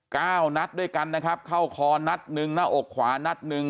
เก้านัดด้วยกันนะครับเข้าคอนัดหนึ่งหน้าอกขวานัดหนึ่ง